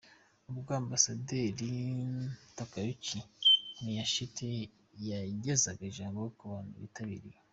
Ubwo Ambasaderi Takayuki Miyashita yagezaga ijambo ku bantu bitabiye.